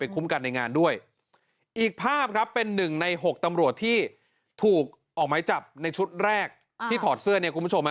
คุ้มกันในงานด้วยอีกภาพครับเป็นหนึ่งในหกตำรวจที่ถูกออกไม้จับในชุดแรกที่ถอดเสื้อเนี่ยคุณผู้ชม